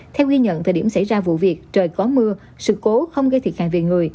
theo ghi nhận thời điểm xảy ra vụ việc trời có mưa sự cố không gây thiệt hại về người